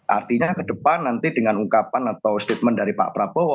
artinya ke depan nanti dengan ungkapan atau statement dari pak prabowo